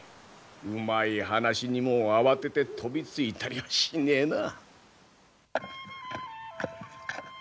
うまい話にも慌てて飛びついたりはしねえな。